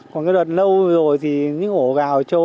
còn cái đợt lâu rồi thì những ổ gào trô